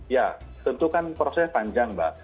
ya tentu kan prosesnya panjang mbak